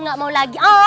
gak mau lagi